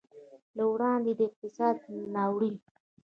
له وړاندې د اقتصادي ناورین